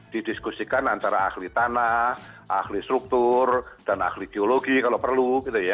didiskusikan antara ahli tanah ahli struktur dan ahli geologi kalau perlu